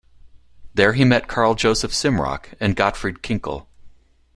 There he met Karl Joseph Simrock and Gottfried Kinkel.